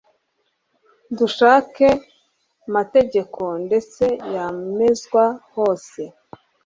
dushaka mategeko ndetse yamezwa hose